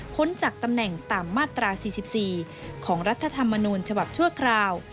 จากตำแหน่งตามมาตรา๔๔ของรัฐธรรมนูญฉบับชั่วคราว